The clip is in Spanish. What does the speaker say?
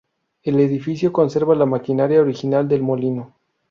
El edifico conserva la maquinaria original del molino.